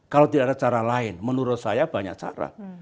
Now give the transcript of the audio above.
kalau tidak ada cara lain menurut saya banyak cara